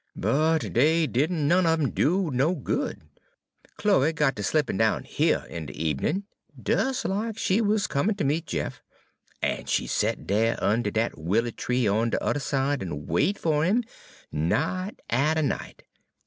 But dey did n' none un 'em do no good. Chloe got ter slippin' down here in de ebenin' des lack she 'uz comin' ter meet Jeff, en she 'd set dere unner dat wilier tree on de udder side, en wait fer 'im, night atter night.